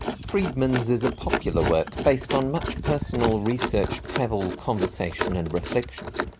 Friedman's is a popular work based on much personal research, travel, conversation, and reflection.